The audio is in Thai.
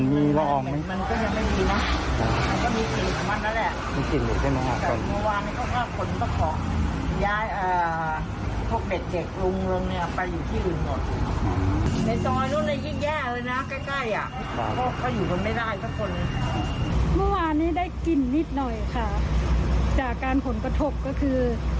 ไม่ได้กินนิดหน่อยค่ะจากอาการผลประทบก็คือ